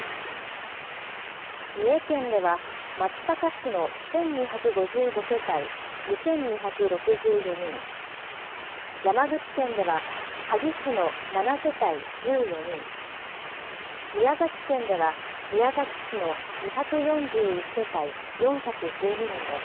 三重県では松阪市の１２５５世帯２２６４人、山口県では萩市の７世帯１４人、宮崎県では宮崎市の２４１世帯４１２人です。